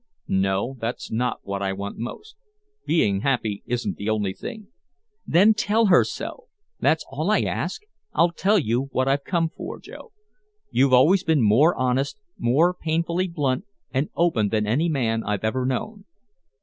"No, that's not what I want most. Being happy isn't the only thing " "Then tell her so. That's all I ask. I'll tell you what I've come for, Joe. You've always been more honest, more painfully blunt and open than any man I've ever known.